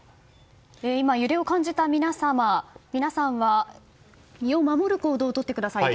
今、揺れを感じた皆様身を守る行動をとってください。